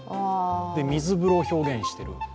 水風呂を表現してると。